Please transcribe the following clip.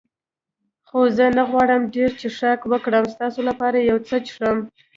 خو زه نه غواړم ډېر څښاک وکړم، ستا لپاره یو څه څښم.